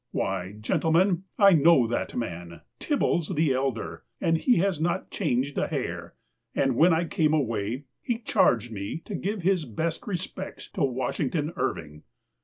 Why, gentlemen, I know that man — Tibbies the elder, and he has not changed a hair ; and, when I came away, he charged me to give his best re spects to Washington Irving!